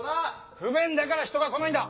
不便だから人が来ないんだ！